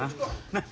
なっ。